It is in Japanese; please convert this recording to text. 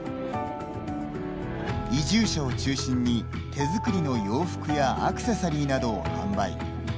移住者を中心に、手作りの洋服やアクセサリーなどを販売。